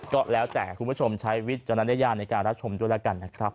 ก็แล้วแต่คุณผู้ชมใช้วิจารณญาณในการรับชมด้วยแล้วกันนะครับ